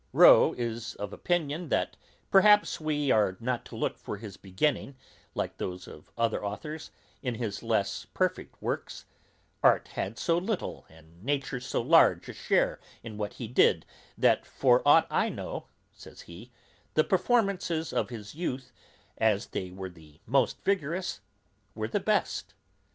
Rowe is of opinion, that _perhaps we are not to look for his beginning, like those of other writers, in his least perfect works; art had so little, and nature so large a share in what he did, that for ought I know_, says he, _the performances of his youth, as they were the most vigorous, were the best.